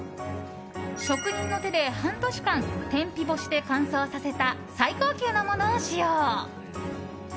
職人の手で半年間、天日干しで乾燥させた最高級のものを使用。